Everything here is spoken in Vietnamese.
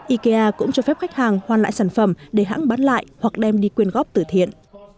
ikea cũng cho phép khách hàng hoàn lại sản phẩm để hãng bán lại hoặc đem đi quyền góp tử thiện